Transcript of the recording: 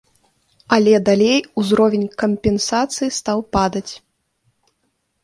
Але далей ўзровень кампенсацыі стаў падаць.